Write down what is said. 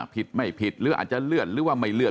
ผิดไม่ผิดหรืออาจจะเลื่อนหรือว่าไม่เลื่อน